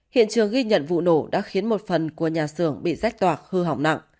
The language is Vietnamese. hiện trường ghi nhận vụ nổ đã khiến một phần của nhà xưởng bị rách toạc hư hỏng nặng